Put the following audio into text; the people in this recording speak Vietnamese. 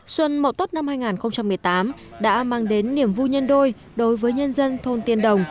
xuân mậu tốt năm hai nghìn một mươi tám đã mang đến niềm vui nhân đôi đối với nhân dân thôn tiên đồng